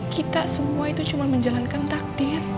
kita semua itu cuma menjalankan takdir